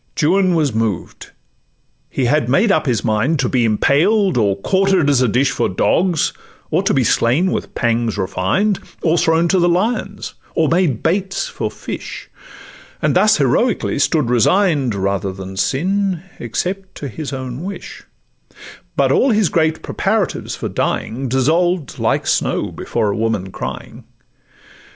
Juan was moved; he had made up his mind To be impaled, or quarter'd as a dish For dogs, or to be slain with pangs refined, Or thrown to lions, or made baits for fish, And thus heroically stood resign'd, Rather than sin—except to his own wish: But all his great preparatives for dying Dissolved like snow before a woman crying.